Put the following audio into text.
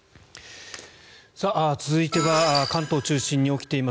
続いては関東中心に起きています